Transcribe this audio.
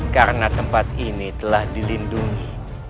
karena tempat ini telah dilindungi